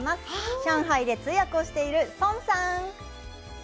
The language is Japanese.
上海で通訳をしている孫さん。